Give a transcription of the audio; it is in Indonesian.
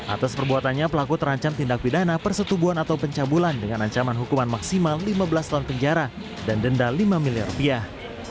atas perbuatannya pelaku terancam tindak pidana persetubuhan atau pencabulan dengan ancaman hukuman maksimal lima belas tahun penjara dan denda lima miliar rupiah